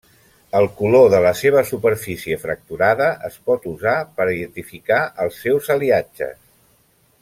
El color de la seva superfície fracturada es pot usar per identificar els seus aliatges.